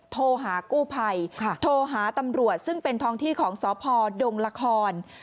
โทรหากู้ภัยโทรหาตำรวจซึ่งเป็นท้องที่ของสพดงละคร